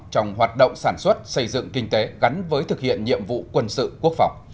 trong hoạt động sản xuất xây dựng kinh tế gắn với thực hiện nhiệm vụ quân sự quốc phòng